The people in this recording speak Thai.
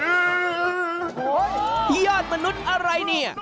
โอ้โฮพี่ยอดมนุษย์อะไรนี่